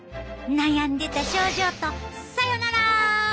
悩んでた症状とさよなら！